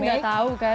tidak tahu kan